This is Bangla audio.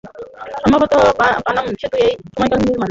সম্ভবত পানাম সেতু সেই সময়কালের নির্মাণ।